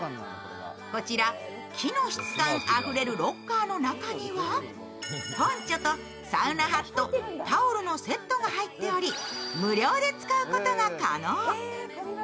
こちら、木の質感あふれるロッカーの中にはポンチョとサウナハット、タオルのセットが入っており、無料で使うことが可能。